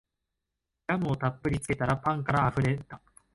ジャムをたっぷりつけたらパンからあふれた